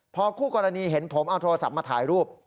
พอคู่กรณีเห็นผมเอาโทรศัพท์มาถ่ายรูป